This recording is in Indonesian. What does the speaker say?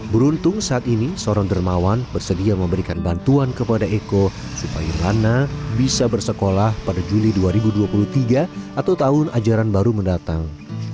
beruntung saat ini seorang dermawan bersedia memberikan bantuan kepada eko supaya lana bisa bersekolah pada juli dua ribu dua puluh tiga atau tahun ajaran baru mendatang